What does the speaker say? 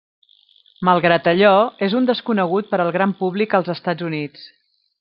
Malgrat allò, és un desconegut per al gran públic als Estats Units.